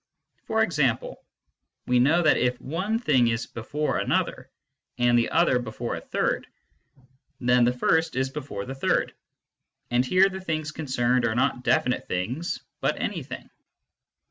For example, we know that if one thing is before another, and the other before a third, then the first is before the third ; and here the things concerned are not definite things, but "anything."